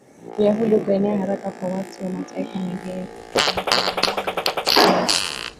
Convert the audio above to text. Uyahudi ukaenea haraka kwa watu wa mataifa mengine mengi ya Asia